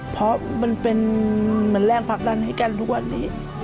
เพราะมันเป็นแรงพักนั้นให้กันทุกวันนี้